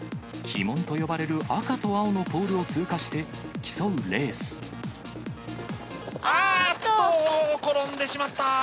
旗門と呼ばれる赤と青のポールを通過して、競うレース。あーっと、転んでしまった。